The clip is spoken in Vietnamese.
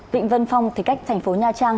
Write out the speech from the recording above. vịnh vân phong thì cách thành phố nha trang